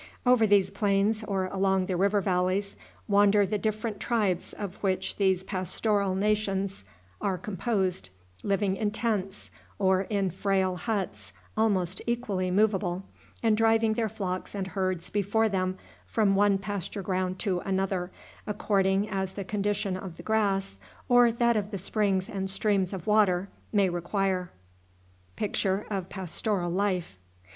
Over these plains, or along the river valleys, wander the different tribes of which these pastoral nations are composed, living in tents, or in frail huts almost equally movable, and driving their flocks and herds before them from one pasture ground to another, according as the condition of the grass, or that of the springs and streams of water, may require.